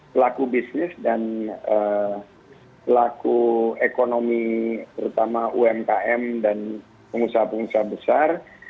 pelaku bisnis dan pelaku ekonomi terutama umkm dan pengusaha pengusaha besar